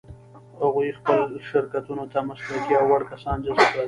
هغوی خپلو شرکتونو ته مسلکي او وړ کسان جذب کړل.